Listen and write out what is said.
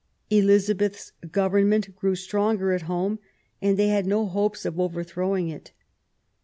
Eliza beth's government grew stronger at home, and they had no hopes of overthrowing it.